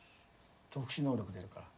特殊能力出るから。